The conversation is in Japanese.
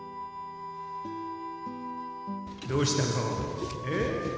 どうしたの？え？